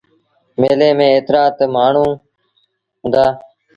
ميلي ميݩ ايترآ تا مآڻهوٚݩ هُݩدآ۔